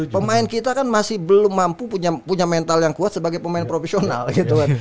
pemain kita kan masih belum mampu punya mental yang kuat sebagai pemain profesional gitu kan